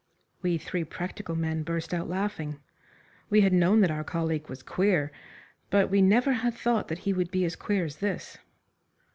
We three practical men burst out laughing. We had known that our colleague was queer, but we never had thought that he would be as queer as this.